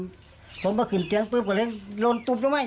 ผมเข้าไปขึ้นจ้างปึ๊บขับแล้วลดตุ๊บทำไมอีก